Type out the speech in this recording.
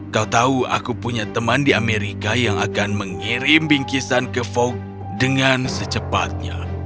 kau tahu aku punya teman di amerika yang akan mengirim bingkisan ke folk dengan secepatnya